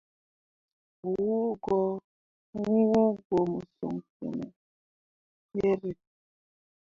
Wũũ go mo son fiine yere.